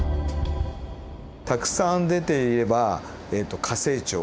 たくさん出ていれば過成長。